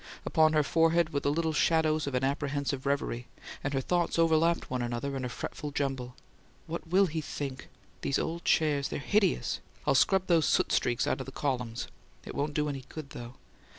Upon her forehead were the little shadows of an apprehensive reverie, and her thoughts overlapped one another in a fretful jumble. "What will he think? These old chairs they're hideous. I'll scrub those soot streaks on the columns: it won't do any good, though.